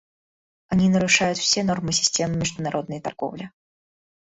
Они нарушают все нормы системы международной торговли.